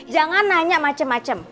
jangan nanya macem macem